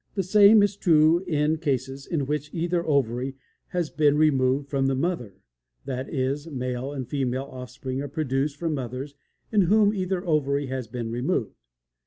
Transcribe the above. The same is true in cases in which either ovary has been removed from the mother; that is, male and female offspring are produced from mothers in whom either ovary has been removed.